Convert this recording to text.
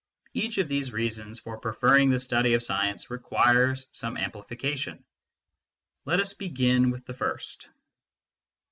Each of these reasons for preferring the study of science requires some amplification. Let us begin with the first.